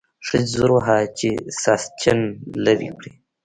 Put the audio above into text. ښځې زور وواهه چې ساسچن لرې کړي.